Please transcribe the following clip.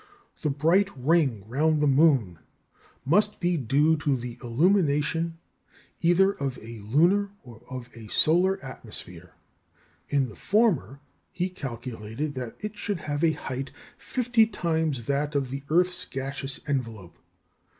The bright ring round the moon must be due to the illumination either of a lunar or of a solar atmosphere. If the former, he calculated that it should have a height fifty times that of the earth's gaseous envelope.